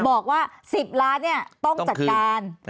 บอกว่า๑๐ล้านต้องจัดการ